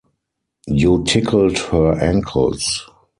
You tickled her ankles.